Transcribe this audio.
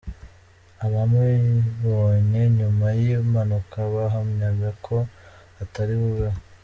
Abamubonye nyuma y'impanuka bahamyaga ko atari bubeho.